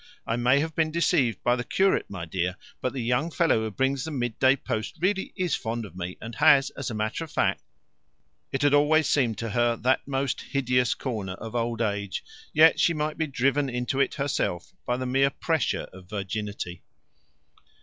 "I may have been deceived by the curate, my dear, but the young fellow who brings the midday post really is fond of me, and has, as a matter fact " It had always seemed to her the most hideous corner of old age, yet she might be driven into it herself by the mere pressure of virginity.